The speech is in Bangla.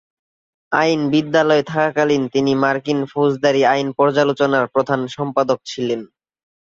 আইন বিদ্যালয়ে থাকাকালীন তিনি মার্কিন ফৌজদারি আইন পর্যালোচনার প্রধান সম্পাদক ছিলেন।